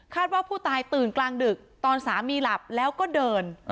ว่าผู้ตายตื่นกลางดึกตอนสามีหลับแล้วก็เดิน